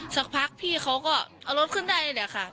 สักพักพี่เขาก็เอารถขึ้นได้แหละค่ะ